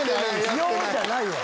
「よ」じゃないわ！